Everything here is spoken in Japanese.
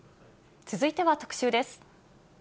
続いては特集です。